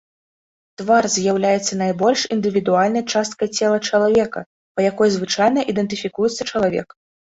Твар з'яўляецца найбольш індывідуальнай часткай цела чалавека, па якой звычайна ідэнтыфікуецца чалавек.